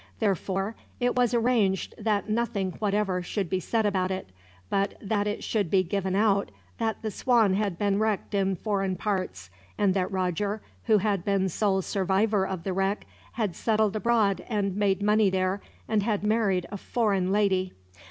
Therefore, it was arranged that nothing whatever should be said about it; but that it should be given out that the Swan had been wrecked in foreign parts; and that Roger, who had been sole survivor of the wreck, had settled abroad and made money there, and had married a foreign lady.